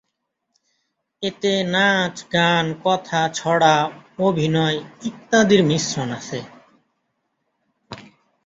এতে নাচ, গান, কথা, ছড়া, অভিনয় ইত্যাদির মিশ্রণ আছে।